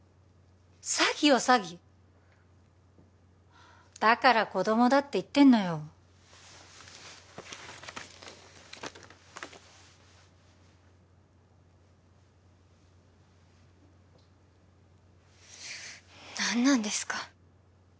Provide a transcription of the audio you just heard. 詐欺よ詐欺だから子供だって言ってんのよ何なんですか？